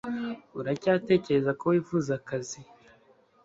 Uracyatekereza ko wifuza akazi